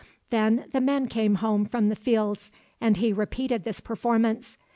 "Then the men came home from the fields and he repeated this performance.